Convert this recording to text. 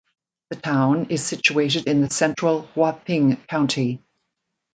The town is situated in the central Huaping County.